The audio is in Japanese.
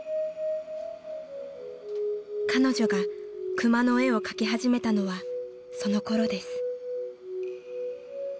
［彼女が熊の絵を描き始めたのはそのころです］